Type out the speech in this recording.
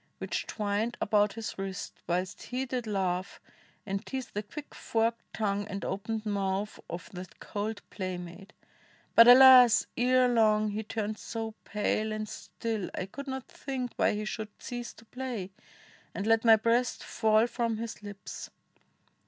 Which twined about his wrist, whilst he did laugh And tease the quick forked tongue and opened mouth Of that cold playmate. But, alas! ere long He turned so pale and still, I could not think Why he should cease to play, and let my breast Fall from his lips.